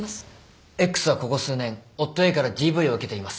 Ｘはここ数年夫ＡからＤＶを受けています。